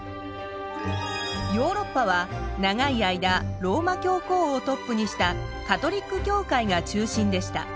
ヨーロッパは長い間ローマ教皇をトップにしたカトリック教会が中心でした。